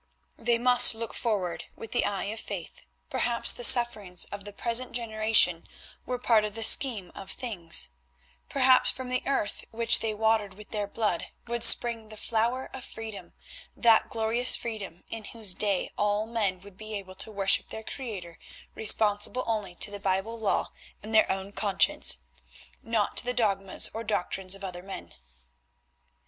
They must look forward with the eye of faith; perhaps the sufferings of the present generation were part of the scheme of things; perhaps from the earth which they watered with their blood would spring the flower of freedom, that glorious freedom in whose day all men would be able to worship their Creator responsible only to the Bible law and their own conscience, not to the dogmas or doctrines of other men.